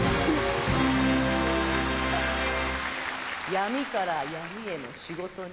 闇から闇への仕事人。